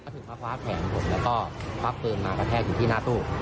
ถึงมาคว้าแขนผมแล้วก็ควักปืนมากระแทกอยู่ที่หน้าตู้